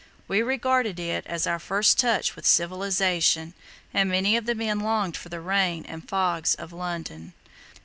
We regarded, it as our first touch with civilization, and many of the men longed for the rain and fogs of London.